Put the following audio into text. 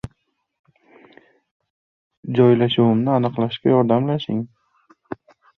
Ona bir qoshiqdan keyinoq ko‘zini yumib boshqa ichmasligini bildirdi